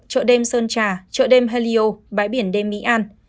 chợ đêm sơn trà chợ đêm hellio bãi biển đêm mỹ an